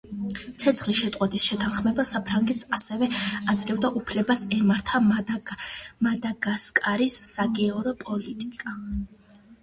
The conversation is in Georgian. ცეცხლის შეწყვეტის შეთანხმება საფრანგეთს ასევე აძლევდა უფლებას ემართა მადაგასკარის საგარეო პოლიტიკა.